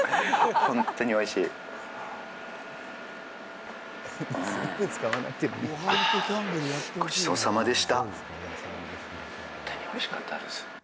本当においしかったです。